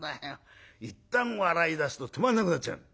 いったん笑いだすと止まらなくなっちゃう」。